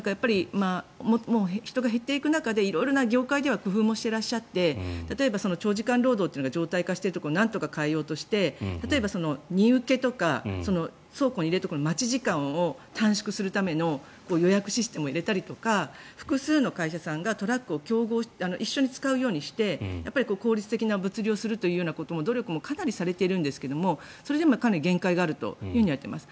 もう人が減っていく中で色々な業界では工夫していらっしゃって長時間労働が常態化しているところをなんとか変えようとして例えば、荷受けとか倉庫に入れておく待ち時間を短縮するための予約システムを入れたりとか複数の会社さんがトラックを一緒に使うようにして効率的な物流をするということの努力もかなりされているんですがそれでもかなり限界があるといわれています。